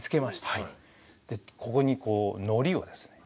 ここにこうのりをですね